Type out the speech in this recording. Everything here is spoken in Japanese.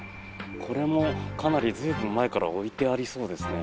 これもかなり随分前から置いてありそうですね。